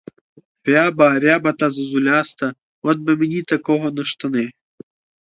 Ряба, ряба та зозуляста, от би мені такого на штани!